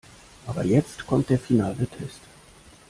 Aber jetzt kommt der finale Test.